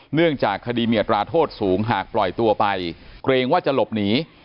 เนื่องจากคดีมีอัตราโทษสูงหากปล่อยตัวไปเกรงว่าจะหลบหนี